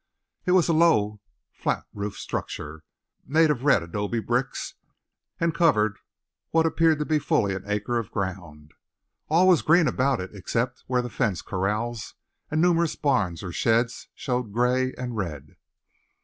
It was a low, flat roofed structure, made of red adobe bricks and covered what appeared to be fully an acre of ground. All was green about it except where the fenced corrals and numerous barns or sheds showed gray and red.